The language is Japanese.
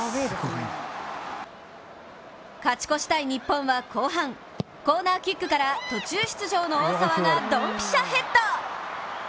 勝ち越したい日本は後半、コーナーキックから途中出場の大澤がドンピシャヘッド！